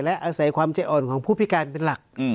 และอาศัยความใจอ่อนของผู้พิการเป็นหลัก